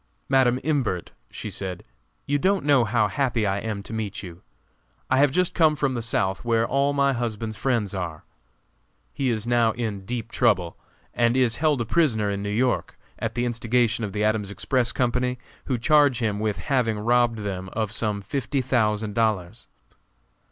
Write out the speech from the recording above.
"Madam Imbert," she said, "you don't know how happy I am to meet you. I have just come from the South, where all my husband's friends are. He is now in deep trouble, and is held a prisoner in New York, at the instigation of the Adams Express Company, who charge him with having robbed them of some fifty thousand dollars.